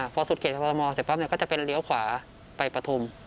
พอสุดเข็ดข้าวรมอล์เสร็จปั้งเนี่ยก็จะเป็นเรียวขวาไปประทุม